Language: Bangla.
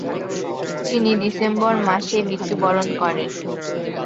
তিনি ডিসেম্বর মাসে মৃত্যুবরণ করেন।